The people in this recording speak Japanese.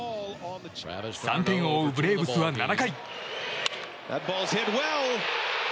３点を追うブレーブスは７回。